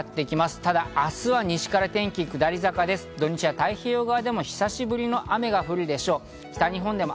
ただ明日は西から天気が下り坂、土日は太平洋側でも久しぶりの雨が降るでしょう。